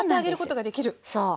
そう。